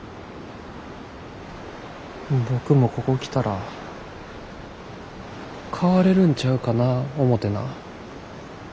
僕もここ来たら変われるんちゃうかな思てな。